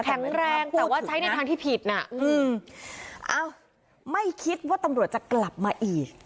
แข็งแรงแต่ว่าใช้ในทางที่ผิดน่ะอืมเอ้าไม่คิดว่าตำรวจจะกลับมาอีก